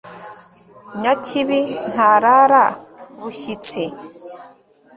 nyakibi ntarara bushyitsi